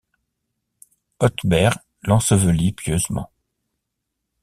Otbert l'ensevelit pieusement.